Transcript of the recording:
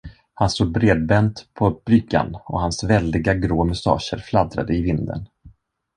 Han stod bredbent på bryggan och hans väldiga grå mustascher fladdrade i vinden.